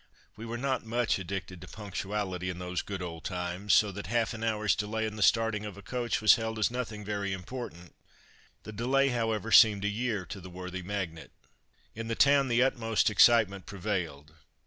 We were not much addicted to punctuality in those good old times; so that half an hour's delay in the starting of a coach was held as nothing very important the delay however seemed a year to the worthy magnate. In the town the utmost excitement prevailed.